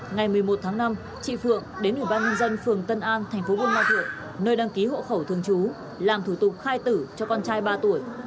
ngày một mươi một tháng năm chị phượng đến ủy ban nhân dân phường tân an thành phố buôn ma thuộng nơi đăng ký hộ khẩu thường trú làm thủ tục khai tử cho con trai ba tuổi